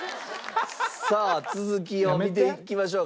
さあ続きを見ていきましょうか。